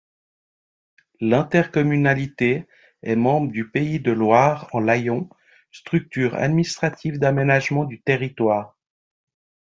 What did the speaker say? L'intercommunalité est membre du Pays de Loire en Layon, structure administrative d'aménagement du territoire.